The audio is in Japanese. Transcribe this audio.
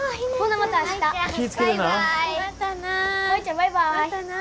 またな。